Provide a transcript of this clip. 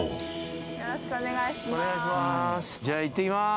よろしくお願いします。